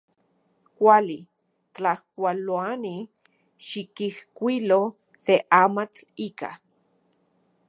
Kuali. Tlajkuiloani, xikijkuilo se amatl ika.